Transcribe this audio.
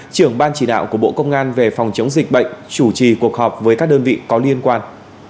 trưởng ban chỉ đạo của bộ công an về phòng chống dịch bệnh chủ trì cuộc họp với các đơn vị có liên quan